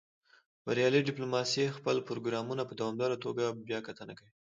بریالۍ ډیپلوماسي خپل پروګرامونه په دوامداره توګه بیاکتنه کوي